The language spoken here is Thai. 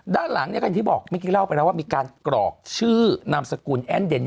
ด้านหลังก็อย่างที่บอกเมื่อกี้เล่าไปแล้วว่ามีการกรอกชื่อนามสกุลแอ้นเดน